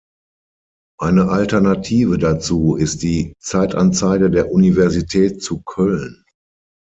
Eine Alternative dazu ist die Zeitanzeige der Universität zu Köln.